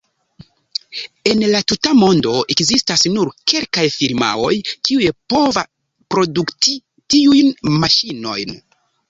En la tuta mondo ekzistas nur kelkaj firmaoj, kiuj pova produkti tiujn maŝinojn.